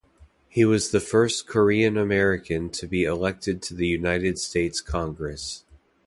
He was the first Korean American to be elected to the United States Congress.